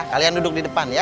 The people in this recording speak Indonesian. kalian duduk di depan ya